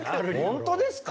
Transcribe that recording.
本当ですか。